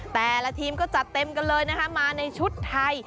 แต่ละทีมก็จัดเต็มกันเลยนะคะมาในชุดไทย